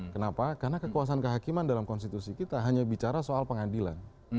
kenapa karena kekuasaan kehakiman dalam konstitusi kita hanya bicara soal pengadilan